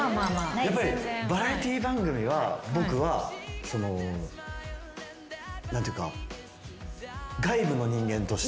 やっぱりバラエティー番組は僕は何ていうか外部の人間として。